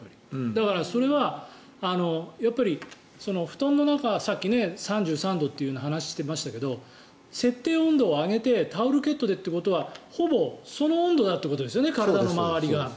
だから、それは布団の中がさっき３３度という話をしていましたけれど設定温度を上げてタオルケットでということはほぼその温度だということですね、体の周りが。